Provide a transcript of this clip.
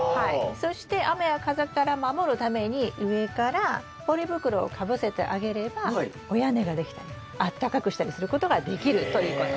そして雨や風から守るために上からポリ袋をかぶせてあげればお屋根ができたりあったかくしたりすることができるということ。